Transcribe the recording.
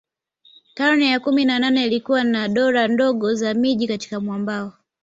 Karne ya kumi na nane ilikuwa na dola ndogo za miji katika mwambao